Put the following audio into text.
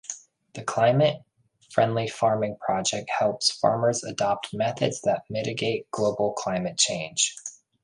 The Climate Friendly Farming project helps farmers adopt methods that mitigate global climate change.